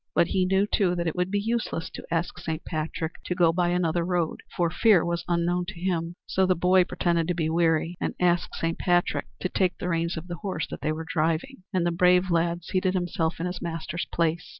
But he knew, too, that it would be useless to ask Saint Patrick to go by another road, for fear was unknown to him. So the boy pretended to be weary and asked Saint Patrick to take the reins of the horse that they were driving; and the brave lad seated himself in his master's place.